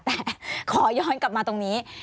แต่ขอย้อนกลับมาตรงนี้